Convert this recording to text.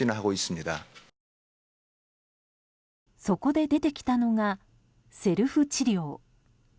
そこで出てきたのがセルフ治療。